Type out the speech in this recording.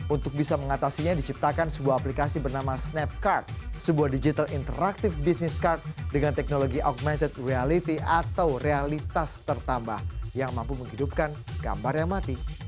untuk bisa mengatasinya diciptakan sebuah aplikasi bernama snapcard sebuah digital interactive business card dengan teknologi augmented reality atau realitas tertambah yang mampu menghidupkan gambar yang mati